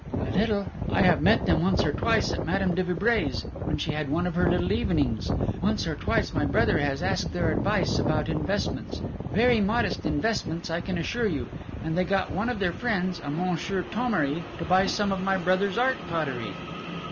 "A little. I have met them once or twice at Madame de Vibray's when she had one of her little evenings. Once or twice my brother has asked their advice about investments very modest investments I can assure you and they got one of their friends, a Monsieur Thomery, to buy some of my brother's art pottery."